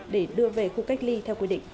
để đưa về khu cách ly theo quy định